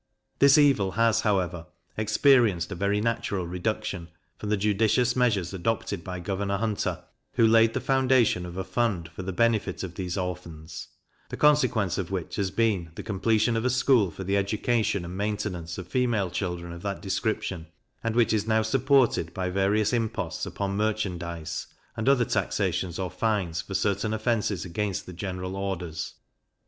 This evil has, however, experienced a very natural reduction, from the judicious measures adopted by Governor Hunter, who laid the foundation of a fund for the benefit of these orphans; the consequence of which has been, the completion of a school for the education and maintenance of female children of that description, and which is now supported by various imposts upon merchandize, and other taxations or fines for certain offences against the general orders.